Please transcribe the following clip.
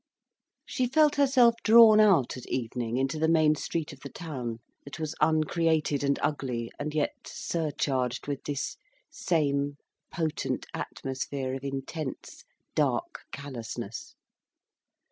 She felt herself drawn out at evening into the main street of the town, that was uncreated and ugly, and yet surcharged with this same potent atmosphere of intense, dark callousness.